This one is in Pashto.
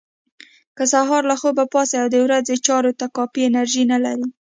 که سهار له خوبه پاڅئ او د ورځې چارو ته کافي انرژي نه لرئ.